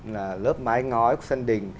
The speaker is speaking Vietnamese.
là lớp mái ngói của sân đình